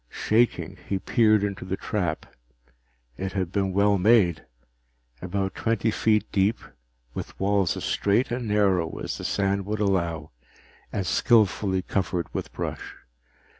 Shaking, he peered into the trap. It had been well made about twenty feet deep, with walls as straight and narrow as the sand would allow, and skillfully covered with brush.